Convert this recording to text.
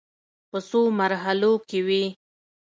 په څو مرحلو کې وې.